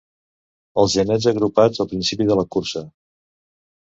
Els genets agrupats al principi de la cursa.